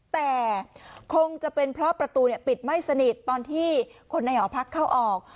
แต่คงจะเป็นเพราะประตูปิดไม่สนิทตอนที่คนในหอพักเข้าออก